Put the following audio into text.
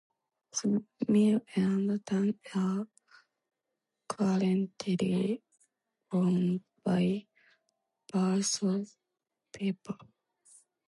The mill and dam are currently owned by Verso Paper.